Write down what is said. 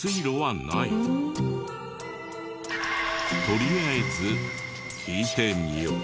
とりあえず聞いてみよう。